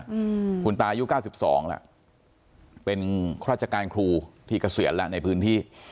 อืมคุณตายุเก้าสิบสองแล้วเป็นราชการครูที่เกษียณแล้วในพื้นที่